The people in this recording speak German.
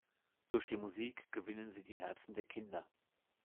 Durch die Musik gewinnen sie die Herzen der Kinder.